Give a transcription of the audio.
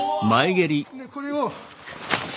でこれを。